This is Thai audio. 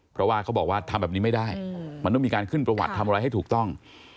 เพราะว่าเขาบอกว่าทำแบบนี้ไม่ได้มันต้องมีการขึ้นประวัติทำอะไรให้ถูกต้อง